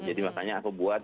jadi makanya aku buat